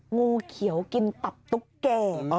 งูเขียวกินตับตุ๊กแก่